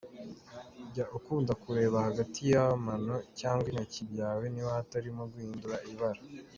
Jya ukunda kureba hagati y’amano cyangwa intoki byawe niba hatarimo guhindura ibara.